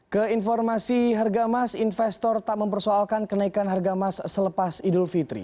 keinformasi harga emas investor tak mempersoalkan kenaikan harga emas selepas idul fitri